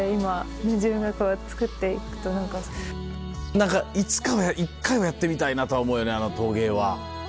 何かいつかは１回はやってみたいなとは思うよね陶芸は。